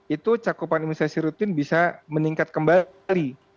itu cakupan imunisasi rutin bisa meningkat kembali